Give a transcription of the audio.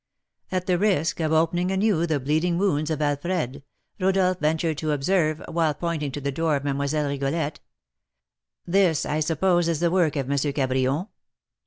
At the risk of opening anew the bleeding wounds of Alfred, Rodolph ventured to observe, while pointing to the door of Mlle. Rigolette: "This, I suppose, is the work of M. Cabrion?"